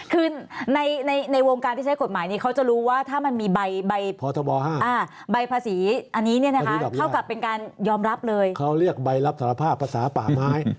เป็นการยอมรับเลยเขาเรียกใบรับสารภาพปศป่าไม้